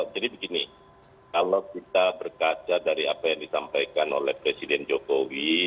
jadi begini kalau kita berkaca dari apa yang disampaikan oleh presiden jokowi